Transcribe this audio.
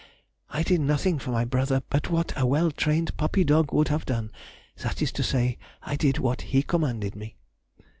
I did nothing for my brother but what a well trained puppy dog would have done, that is to say, I did what he commanded me.